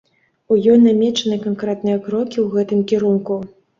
У ёй намечаныя канкрэтныя крокі ў гэтым кірунку.